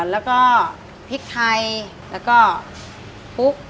แล้วก็พริกไทยแล้วก็ปุ๊ก